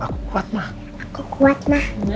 aku kuat mah